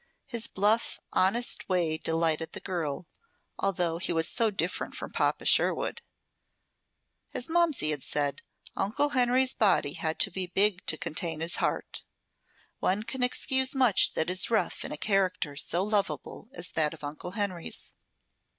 His bluff, honest way delighted the girl, although he was so different from Papa Sherwood. As Momsey had said, Uncle Henry's body had to be big to contain his heart. One can excuse much that is rough in a character so lovable as that of Uncle Henry's.